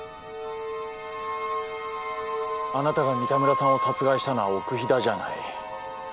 あなたが三田村さんを殺害したのは奥飛騨じゃない。